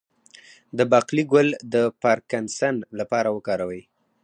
د باقلي ګل د پارکنسن لپاره وکاروئ